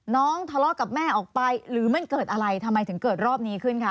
ทะเลาะกับแม่ออกไปหรือมันเกิดอะไรทำไมถึงเกิดรอบนี้ขึ้นคะ